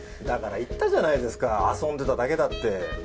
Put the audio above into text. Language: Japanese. だから言ったじゃないですか遊んでただけだって。